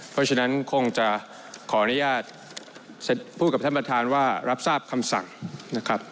เพราะฉะนั้นคงจะขออนุญาตพูดกับท่านประธานว่ารับทราบคำสั่งนะครับ